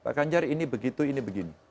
pak ganjar ini begitu ini begini